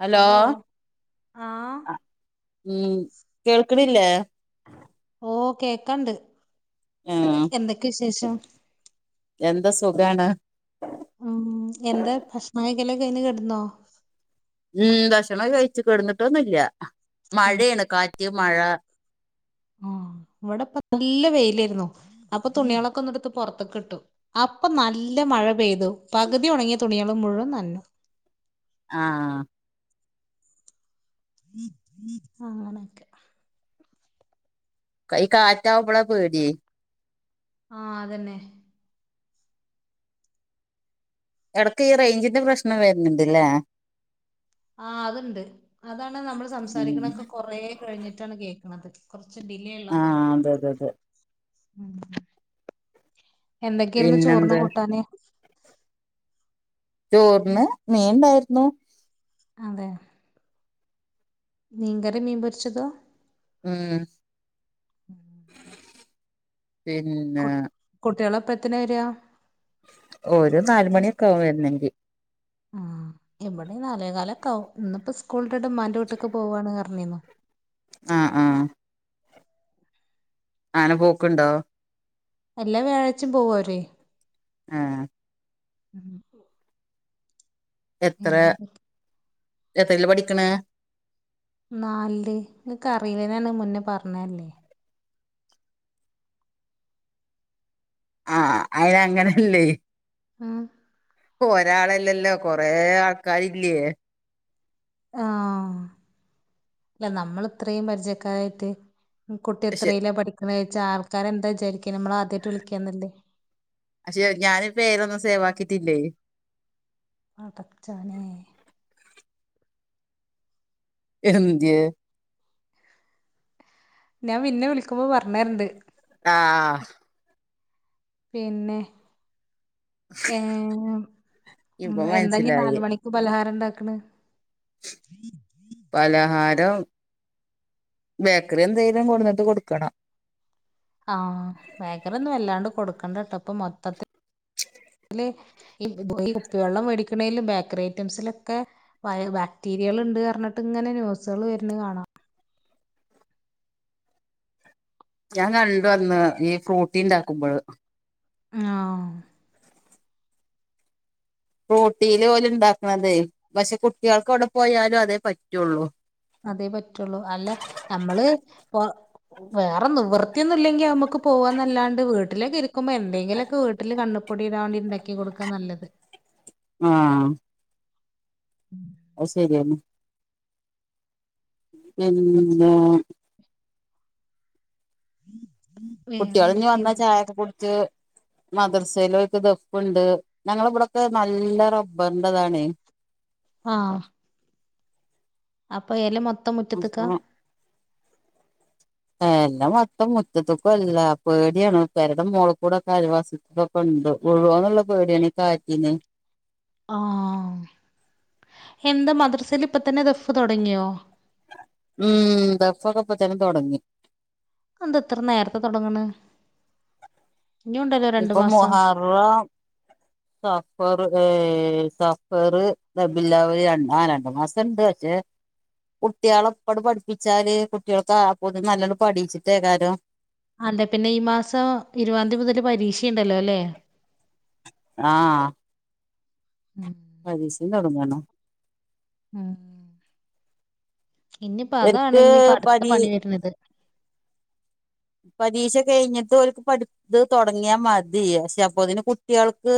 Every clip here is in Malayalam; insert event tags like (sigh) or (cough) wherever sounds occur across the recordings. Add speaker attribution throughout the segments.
Speaker 1: ഹലോ,
Speaker 2: ആഹ്
Speaker 1: അ ഉം കേൾക്ക്ണില്ലേ?
Speaker 2: ഓ കേക്കാണ്ട്
Speaker 1: ആഹ്
Speaker 2: എന്തൊക്കെ വിശേഷം
Speaker 1: എന്താ സുഖാണ്
Speaker 2: ഉം എന്താ ഭക്ഷണം കഴിക്കലൊക്കെ കയിഞ് കെടന്നോ
Speaker 1: ഉം ഭക്ഷണം കഴിച്ചു കെ ടന്നിട്ടൊന്നുല്ല മഴയാണ് കാറ്റ് മഴ
Speaker 2: ഉം ഇവിടെപ്പോ നല്ല വെയിലരുന്നു അപ്പൊ തുണിളൊക്കെ ഒന്ന് എടുത്ത് പോറത്തൊക്ക്‌ട്ടു അപ്പൊ നല്ല മഴ പെയ്തു പകുതി ഒണങ്ങിയ തുണികൾ മുഴുവൻ നനഞ്ഞു
Speaker 1: ആഹ്
Speaker 2: (inaudible)
Speaker 1: കൈ കാറ്റാവുമ്പള പേടിയേ
Speaker 2: ആഹ് അതന്നെ
Speaker 1: എടക്ക് ഇ റൈഞ്ചിന്റെ പ്രശ്നം വരുന്നുണ്ട്ല്ലേ
Speaker 2: ആ അത്ണ്ട് അതാണ് നമ്മള്
Speaker 1: ഉം
Speaker 2: സംസാരിക്ക്ണെ കൊറെ കഴിഞ്ഞിട്ടാണ് കേക്ക്‌ണത്
Speaker 1: ആഹ് അതെ അതെ അതെ
Speaker 2: (unintelligible) എന്തൊക്കെയിരുന്നു ചോറിന്
Speaker 1: പിന്നെന്താ
Speaker 2: കൂട്ടാന്
Speaker 1: ചോറിന് മീൻണ്ടായിരുന്നു
Speaker 2: അതെ മീൻകറിം മീൻപൊരിച്ചതാ
Speaker 1: ഉം പിന്നെ
Speaker 2: കുട്ടികള എപ്പഴത്തിന വരിക
Speaker 1: ഒരു നാല് മണിയൊക്കെ ആവും വരുനെങ്കിൽ
Speaker 2: ഉം ഇവിടെ നാലേ കാലൊക്കെ ആവും ഇന്ന് ഇപ്പോ സ്കൂൾ വിട്ടിട്ട് ഇമ്മാന്റെ വീട്ടിക്ക് പോകാണ് റഞ്ഞിന്നു
Speaker 1: ഉം ഉം അങ്ങനെ പോക്ക്ണ്ടോ
Speaker 2: എല്ലാം വ്യാഴായ്ച്ചി പോകു വര്
Speaker 1: ഏഹ്
Speaker 2: (unintelligible)
Speaker 1: എത്രേ
Speaker 2: ഏതാ
Speaker 1: എത്രല് പഠിക്ക്ണ്
Speaker 2: നാലില് ങ്ങക്ക് അറിയില്ലേ ഞാന് മുന്നേ പറഞ്ഞല്ലേ
Speaker 1: ആഹ് അയിന് അങ്ങനെല്ലേ
Speaker 2: ഉം
Speaker 1: ഒരാളല്ലല്ലോ കൊറെ ആൾക്കാരില്ലയേ
Speaker 2: ആഹ് ല്ല നമ്മള് ഇത്രേം പരിചയക്കാരായിട്ട് കുട്ടി
Speaker 1: പക്ഷെ
Speaker 2: എത്രല്ല പഠിക്കണ വച്ചാ ആൾക്കാരെന്താ വിചാരിക്ക നമ്മള് ആദ്യമായിട്ട് വിളിക്കാന്നല്ലേ
Speaker 1: ക്ഷെ ഞാന് പേരൊന്നും സേവാക്കിയിട്ടില്ലേ
Speaker 2: അ പടച്ചോനെ
Speaker 1: എന്ത്യേ
Speaker 2: ഞാ പിന്നെ വിളിക്കുമ്പോ പറഞ്ഞരണ്ട്
Speaker 1: ആഹ്
Speaker 2: പിന്നെ ഏഹ്
Speaker 1: ഇപ്പൊ
Speaker 2: എന്താ നി നാല
Speaker 1: മനസ്സിലായി
Speaker 2: മണി പലഹാരണ്ടാക്ക്ണ്
Speaker 1: പലഹാരം. ബേക്കറി എന്തെങ്കിലും കൊടുട്ട് കൊടുക്കണം.
Speaker 2: ആഹ വേഗറൊന്നും വല്ലാണ്ട് കൊടുക്കണ്ട കേട്ടോ ഇപ്പൊ മൊത്തത്തി. ഈ ഉപ്പ വെള്ളം മേടിക്കണേലും ബേക്കറി ഐറ്റംസിലൊക്കെ. ബാക്ടീരിയകൾ ഉണ്ട് പറഞ്ഞിട്ട് ഇങ്ങനെ ന്യൂസുകൾ വരുന്ന കാണാം.
Speaker 1: ഞാൻ കണ്ട വന്ന് ഈ ഫ്രൂട്ടീൻണ്ടാക്കുമ്പോൾ.
Speaker 2: ആ.
Speaker 1: റോട്ടീൽ പോലെ ഉണ്ടാക്കണതേ പക്ഷെ കുട്ടികൾക്ക് അവിടെ പോയാലും അതേ പറ്റുള്ളൂ.
Speaker 2: അതേ പറ്റുള്ളൂ അല്ല നമ്മള് ഇ. വേറെ നിവൃത്തിയന്ന ഇല്ലെങ്കി നമ്മുക്ക് പോവാന്നല്ലാണ്ട് വീട്ടിലേക്കെ ഇരിക്കുമ്പോ എന്തെങ്കിലുമൊക്കെ വീട്ടിൽ കണ്. പപ്പൊടി ഇടാണ്ടി ഉണ്ടാക്കി കൊടുക്കാൻ നല്ലത്.
Speaker 1: ആഹ. അ ശരിയല്ല. ഉം
Speaker 2: വേറെ
Speaker 1: കുട്ടികളഞ്
Speaker 2: എന്തൊക്കെയാ
Speaker 1: വന്ന
Speaker 2: എന്നിട്ട്?
Speaker 1: ചായൊക്കെ കൊടുത്ത്. മദർസയിലക്ക് ദഫുണ്ട് ഞങ്ങള ഇവിടെൊക്കെ നല്ല റബ്ബറിന്റെതാണേ.
Speaker 2: ആഹ. അപ്പൊ എല മൊത്തം
Speaker 1: അത്
Speaker 2: മുറ്റത്ത്ക്കാ
Speaker 1: പോളാം. എല്ലാം മത്തം മുറ്റത്തക്കും അല്ല പേടിയാണ് പരടെ മോളക്കൂടൊക്കെ അഴിവാസത്തില ഉണ്ട് ഉഴുവന്നുള്ള പേടിയാണ് കാറ്റീന്ന്.
Speaker 2: ആഹ എന്താ മദ്രസൽ ഇപ്പ തന്നെ ദഫ് തുടങ്ങിയോ?
Speaker 1: ഉം ദഫ കപ്പത്തന്നെ തുടങ്ങി.
Speaker 2: അന്ത ഇത്ര നേരത്തെ തുടങ്ങണ.
Speaker 1: ഇപ്പ
Speaker 2: മാസം
Speaker 1: മുഹറം. സഫർ ഏ സഫർ റബില്ലാവല് ആ രണ്ട് ആ രണ്ടു മാസണ്ട്. ജ. കുട്ടികളെപ്പട് പഠിപ്പിച്ചാല് കുട്ടികൾക്ക് ആ പും നല്ലണം പഠിച്ചിട്ടേക്കാലോ.
Speaker 2: അല്ലേ പിന്നെ ഈ മാസം ഇരുപാന് തീയതി മുതല് പരീക്ഷയുണ്ടല്ലോ അല്ലേ.
Speaker 1: ആഹ.
Speaker 2: ഉം
Speaker 1: പരീശം തുടങ്ങണോ?
Speaker 2: ഉം (inaudible) ഇനിയിപ്പോ
Speaker 1: ശരിക്ക്
Speaker 2: അതാണ് ഇനിയിപ്പ അടുത്ത
Speaker 1: പരീ
Speaker 2: പണി വരുന്നത്.
Speaker 1: പരീക്ഷ കഴിഞ്ഞിട്ട് ഓല്ക് പഠി. ഇത് തുടങ്ങിയാ മതി പക്ഷെ അപ്പൊതിന് കുട്ടിയെല്ക്..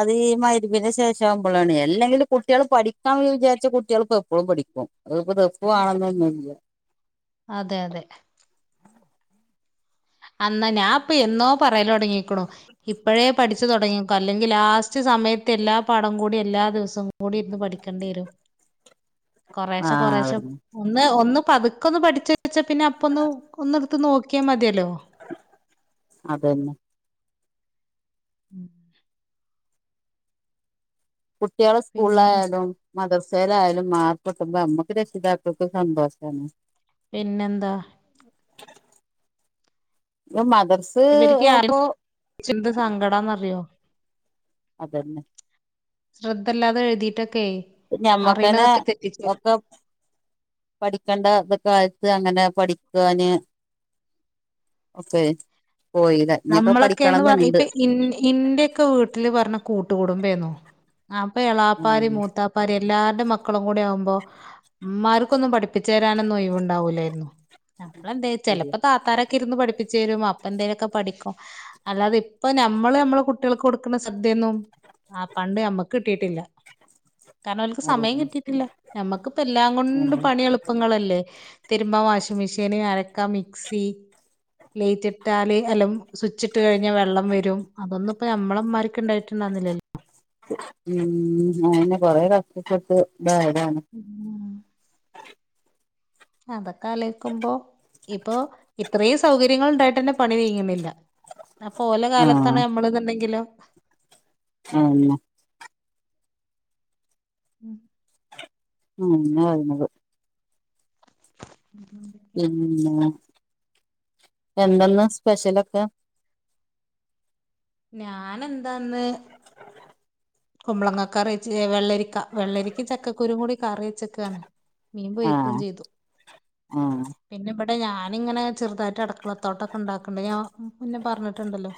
Speaker 1: അത് ഈ മരിബിന്റെ ശേഷ ആവുമ്പോഴാണ് അല്ലെങ്കിലി കുട്ടികൾ പഠിക്കാ വിചാരിച്ച കുട്ടികൾപ്പൊപ്പോഴും പഠിക്കും. അത് ഇപ്പ ദഫു ആണെന്നൊന്നുംല്ല.
Speaker 2: അതെ അതെ അന്നാ ഞാൻ പ്പൊ എന്നോ പറയലൊടങ്ങിക്കണു. ഇപ്പഴേ പഠിച്ചു തുടങ്ങിക്കൊ അല്ലെങ്കി ലാസ്റ്റ് സമയത്ത് എല്ലാ പടം കൂടി എല്ലാ ദിവസം കൂ (unintelligible) മൂടി ഇന്ന് പഠിക്കണ്ടേരും.
Speaker 1: (unintelligible)
Speaker 2: കൊറേശെ
Speaker 1: ആഹ്
Speaker 2: കൊറെേശ
Speaker 1: അതന്നെ
Speaker 2: ഒന്ന് ഒന്ന് പതുക്കൊന്ന് പഠിച്ച വച്ചാ പിന്നെ അപ്പ ഒന്ന് ഒന്ന്. നോക്കിയാ മതിയേല്ലോ.
Speaker 1: അതന്നെ
Speaker 2: ഉം.
Speaker 1: കുട്ടികള്
Speaker 2: പിന്നെ
Speaker 1: സ്കൂളിലായലും. മദർസേയിലായാലും മാർക് കൊട്ടുമ്പോ അമ്മക്ക് രക്ഷിതാക്കൾ ക് സന്തോഷണ്.
Speaker 2: പിന്നെന്താ
Speaker 1: ഇവൻ മദർസ്‌
Speaker 2: ഇവരിക്ക് (unintelligible) സങ്കടന്നറിയോ
Speaker 1: അതന്നെ
Speaker 2: ശ്രദ്ധല്ലാതെ എഴുതിയിട്ടൊക്കെ
Speaker 1: ഞമ്മക്കന്നെ
Speaker 2: അറിയണതൊക്കെ തെറ്റിച്ച്
Speaker 1: മൊത്തം പഠിക്കേണ്ടെക്ക കാലത്ത് അങ്ങനെ പഠിക്കാന് ഒക്കെ പോയിടെ
Speaker 2: നമ്മളൊക്കെന്ന് പറ ഇപ്പൊ ഇ ഇന്റെയൊക്കെ വീട്ടില് പറഞ്ഞ കൂട്ടുകുടുമ്പേന്നു ആപ്പ എളാപ്പാര്
Speaker 1: ആഹ്
Speaker 2: മൂത്താ പ്പാര് എല്ലാവരുടെ മക്കളും കൂടി ആവുമ്പോ ഉമ്മാർക്കൊന്നും പഠിപ്പിച്ചു തരാനൊന്നും ഒയിവുണ്ടാവൂല്ലായിരുന്നു. ഞമ്മളെന്തെയും
Speaker 1: ശരിയാ
Speaker 2: ചിലപ്പോ താത്താരൊക്കെ ഇരുന്ന് പഠിപ്പിചെരും അപ്പ എന്തേലൊക്കെ പഠിക്കും അല്ലാതെ ഇപ്പ നമ്മള് നമ്മള കുട്ടികൾക്ക് കൊടുക്കുന്ന ശ്രെദ്ധയൊന്നും ആ പണ്ട് ഞമ്മക്ക് കിട്ടീട്ടില്ല കാരണോൽക്ക് സമയം
Speaker 1: അതന്നെ
Speaker 2: കിട്ടീട്ടില്ല നമ്മക്ക്പ്പ എല്ലാംകൊണ്ടും
Speaker 1: ആഹ്
Speaker 2: പണി എളു പ്പങ്ങളല്ലേ തിരുമ്പാൻ വാഷിങ് മെഷീന് അരക്കാൻ മിക്സി ലേറ്റിട്ടാല് എലും സ്വിച്ചിട്ട് കഴിഞ്ഞ വെള്ളം വരും അതൊന്നുപ്പോ നമ്മളുമ്മമാർക്ക് ണ്ടായിട്ടുണ്ടായിരുന്നില്ലാലോ
Speaker 1: ഉം അയെന്നെ കൊറേ കഷ്ടപ്പെട്ട് ഇതായതാണ്.
Speaker 2: ഉം അതൊക്ക ആലോയിക്കുമ്പോ ഇപ്പൊ ഇത്രയും സൗകര്യങ്ങൾ ഉണ്ടായിട്ടന്നെ പണി നീങ്ങ്ന്നില്ല അപ്പൊ ഓല കാലത്താണ്
Speaker 1: ആഹ്
Speaker 2: ന്നമ്മൾ അന്നുണ്ടെങ്കിലോ
Speaker 1: അതെന്നെ
Speaker 2: ഉം
Speaker 1: ഉം (unintelligible)
Speaker 2: ഉം
Speaker 1: പിന്ന എന്തെന്ന സ്പെഷ്യലൊക്കെ
Speaker 2: ഞാൻ എന്താന്ന് കുമ്പളങ്ങ കറിവെച്ച് വെള്ളരിക്ക വെള്ളരിക്ക ചക്കക്കുരും കൂടി കറി വെച്ചക്കാണ് മീൻ പൊരിക്കുവേം
Speaker 1: ആഹ്
Speaker 2: ചെയ്തു
Speaker 1: ആഹ്
Speaker 2: പിന്നെ ഇവിടെ ഞാനിങ്ങനെ ചെറുതായിട്ട് അടക്കളത്തോട്ടൊക്കെ ണ്ടാക്കണ്ട് ഞാ മുന്നേ പറഞ്ഞിട്ടുണ്ടല്ലോ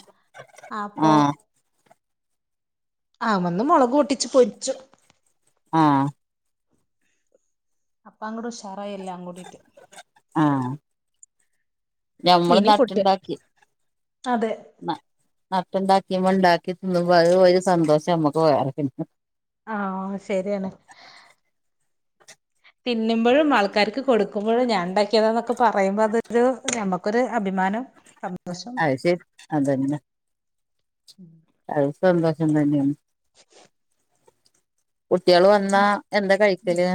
Speaker 2: അപ്പോ
Speaker 1: ആഹ്
Speaker 2: ആ വന്നു മൊളക് പൊട്ടിച്ച് പൊരിച്ചു
Speaker 1: ആഹ്
Speaker 2: അപ്പ അങ്ങ് ഉഷാറായി എല്ലാംകൂടിട്ട്
Speaker 1: ആഹ് ഞമ്മള്
Speaker 2: ഇനി കുട്ട്
Speaker 1: നട്ടുണ്ടാക്കി
Speaker 2: അതെ
Speaker 1: നട്ടുണ്ടാക്കിയുമ്പോ ഉണ്ടാക്കി തിന്നുമ്പ അതുവൊരു സന്തോഷം നമ്മുക്ക് വേറയുണ്ട്
Speaker 2: ആഹ് ശരിയാണ് തിന്നുമ്പോഴും ആൾക്കാർക്ക് കൊടുക്കുമ്പോഴും ഞാൻ ഉണ്ടാക്കിയതാ എന്നൊക്കെ പറയുമ്പോ അതൊരു നമ്മുക്കൊരു അഭിമാനം (unintelligible)
Speaker 1: അത് ശരി അതെന്നെ അത് സന്തോഷം തന്നാണ്
Speaker 2: (inaudible)
Speaker 1: കുട്ടികള് വന്നാ എന്താ കഴിക്കല്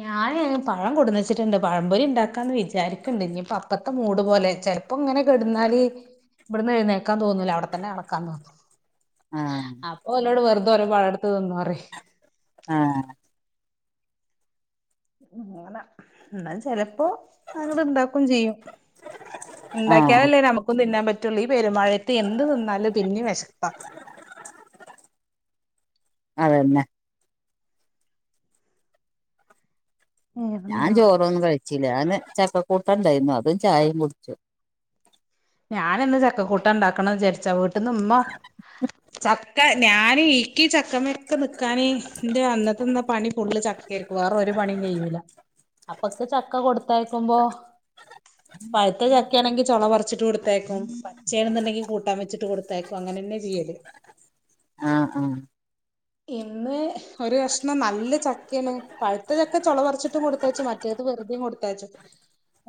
Speaker 2: ഞാന് പഴം കൊടുന്നച്ചിട്ടുണ്ട് പഴംപൊരി ഉണ്ടാക്കാന്ന് വിചാരിക്കണ്ട് ഇനിയിപ്പ അപ്പത്തെ മൂട് പോലെ ചെല പ്പം ഇങ്ങനെ കെടന്നാല് ഇവിടുന്ന് എഴുന്നേക്കാൻ തോന്നൂല അവിടെ തന്നെ കെടക്കാൻ തോന്നുന്നു
Speaker 1: ആഹ്
Speaker 2: ഓനോട്‌ വെറുതെ ഒരു പഴം എടുത്തു തിന്നോ പറയും
Speaker 1: ആഹ്
Speaker 2: അങ്ങന എന്നാൽ ചെലപ്പോ അവരത്ണ്ടാക്കും ചെയ്യും
Speaker 1: ആഹ്
Speaker 2: ഉണ്ടാക്കിയാലല്ലേ നമുക്ക് തിന്നാൻ പറ്റുള്ളൂ. ഈ പെരുമഴയത്ത് എന്ത് തിന്നാലും പിന്നെം വെശപ്പ
Speaker 1: അതന്നെ ഞാൻ ചോറൊന്നും കഴിച്ചില്ല ഞാന് ചക്കക്കൂട്ടാണ്ടായിരുന്നു അതും ചായെം കുടിച്ചു
Speaker 2: ഞനിന്ന് ചക്കക്കൂട്ടാണ്ടാക്കണംചരിച്ച വീട്ട്ന്ന്മ്മ ചക്ക ഞാന് ചക്കമയൊക്കെ നിക്കാനേ ന്റെ അന്നത്തെന്ന പണി ഫുള്ള് ചക്കേരിക്കും വേറൊരു പണി ചെയ്യൂല പൊക്കെ ചക്ക കൊടുത്തയക്കുമ്പോ പയ്ത്ത ചക്കേണെങ്കി ചൊള വറിച്ച് ത്തേക്കും പച്ചെണെന്നുണ്ടെങ്കി കൂട്ടാൻ വച്ചിട്ട് കൊടുത്തേക്കും അങ്ങനെന്നെ ചെയ്യല്
Speaker 1: ആഹ് ആഹ്
Speaker 2: ഇന്ന് ഒരു കഷ്ണം നല്ല ചക്കേണ്. പഴുത്ത ചക്ക ചൊളവറച്ചിട്ടും കൊടുത്തയച്ചു മറ്റേത് വെറുതേം കൊടുത്തയച്ചു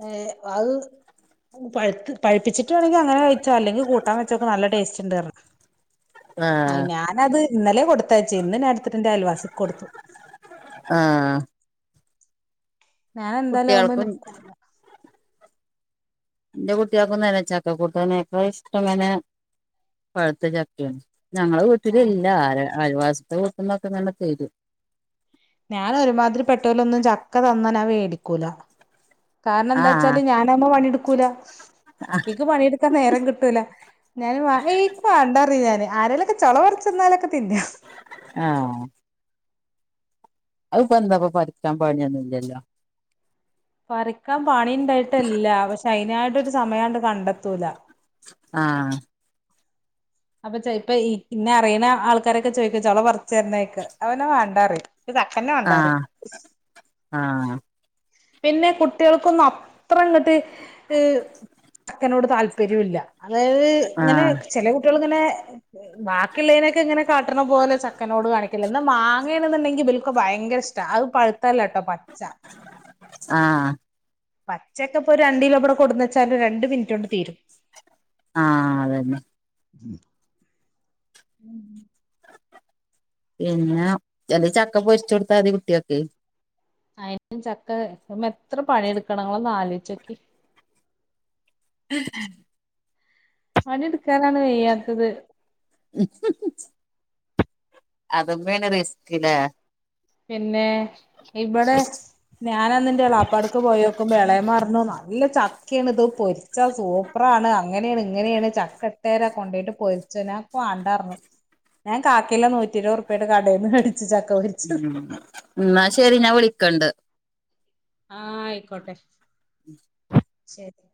Speaker 2: ഏ അത് പഴ്ത് പഴുപ്പിച്ചിട്ട് വേണോങ്കി അങ്ങനെ കയിച്ചോ അല്ലെങ്കി കൂട്ടാൻ വെച്ചോക്ക് നല്ല ടേസ്റ്റുണ്ട്റഞ്
Speaker 1: ആഹ്
Speaker 2: ഞത് ഇന്നലേ കൊട്ത്തയച്ചേ ഇന്ന് ഞാടെത്തിട്ടെന്റെ അൽവാസിക്കൊടുത്ത്
Speaker 1: ആഹ്
Speaker 2: ഞാന്തായാലു
Speaker 1: കുട്ടികൾക്കും
Speaker 2: (unintelligible)
Speaker 1: ന്റെ കുട്ട്യാക്കൊന്നന്നെ ചക്കക്കൂട്ടനക്ക ഇഷ്ടം (unintelligible) പഴുത്ത ചക്ക്യാണ്. ഞങ്ങള
Speaker 2: ആഹ്
Speaker 1: വീട്ടിലില്ലാ ആ ആൽവാസ്ത്തെ വൂട്ട്ന്നൊക്കെ നമ്മെ തരും
Speaker 2: ഞാനൊരുമാതിരി പെട്ടോലൊന്നും ചക്ക തന്നാനാ വേടിക്കൂല കാരണം എന്താച്ചാല്
Speaker 1: ആഹ്
Speaker 2: ഞാൻ നമ്മ പണിയെടുക്കൂല എക്ക് പണിയെടുക്കാൻ നേരം കിട്ടൂല ഞാന് വഹേക്ക് വാണ്ടാറി ഞാന് ആരെേലൊക്കെ ചൊള പറിച്ചന്നാലൊക്കെ തിന്നും
Speaker 1: ആഹ് അത്പ്പൊന്താപ്പ പറിക്കാൻ പണിയൊന്നുല്ലല്ലോ
Speaker 2: പറിക്കാൻ പണിണ്ടായിട്ടല്ല പക്ഷെ അയ്നായിട്ടൊരു സമയാണ്ട് കണ്ടെത്തൂല
Speaker 1: ആഹ്
Speaker 2: അപ്പൊ ചെല്പ ഈ ഇന്നെ അറിയണ ആൾക്കാരൊക്കെ ചോയ്ക്കു ചൊള പറിച്ചു തരുന്നൊക്ക് ഞാപിന്ന വേണ്ടാറ
Speaker 1: ആഹ് ആഹ്
Speaker 2: പിന്നെ കുട്ടികൾക്കൊന്നും അത്രങ്ങട്ട് ഈ ചക്കേനോട് താല്പര്യവില്ല അതായത് ഇങ്ങനെ
Speaker 1: ആഹ്
Speaker 2: ചെല കുട്ട്യളിങ്ങനെ ബാക്കിയുള്ളേനൊക്കെ ഇങ്ങനെ കാട്ട്ണ പോലെ ചക്കേനോട് കാണിക്കില്ല എന്നാ മാങ്ങേണെന്നുണ്ടെങ്കിൽ ഇബല്ക്ക് ബയങ്കരഷ്ട അത് പഴുത്തല്ലട്ടോ പച്ച
Speaker 1: ആഹ്
Speaker 2: പച്ചക്കെപ്പോ ഒരു രണ്ടീലോബടെ കൊടുന്നെച്ചാല് രണ്ട് മിനിറ്റൊണ്ട് തീരും
Speaker 1: ആഹ് അതന്നെ
Speaker 2: (inaudible)
Speaker 1: പിന്നെ ചെലെ ചക്ക പൊരിച്ചു കൊടുത്താതി കുട്ട്യക്ക്
Speaker 2: അയിരിക്കും ചക്ക നമ്മെത്ര പണിയെടുക്കണങ്ങളൊന്ന് ആലോയ്ച്ചോക്കി
Speaker 1: (inaudible)
Speaker 2: പണിടുക്കാനാണ് വെയ്യാത്തത്
Speaker 1: (unintelligible) അതുംമേനെറിസ്കിലാ
Speaker 2: പിന്നെ ഇവടെ ഞാനന്ന്ന്റെ എളാപ്പാടക്ക് പോയോക്കുംമ്പൊ എളേമ്മാറഞ്ഞു നല്ല ചക്കയാണ് ഇത് പൊരി ച്ച സൂപ്പറാണ്ണ് അങ്ങനെയാണ് ഇങ്ങനെയാണ് ചക്കേട്ട് രാ കൊണ്ടോയിട്ട് പൊരിച്ചോ ഞാവാണ്ടാ ഞാൻ കാക്കിലോ നൂറ്റിറുപ്യേടെ കടേന്ന്മേടി
Speaker 1: ഉം ന്നാ ശെരി ഞാൻ വിളിക്കണ്ട്
Speaker 2: ആയിക്കോട്ടെ
Speaker 1: ഉം
Speaker 2: ശെരി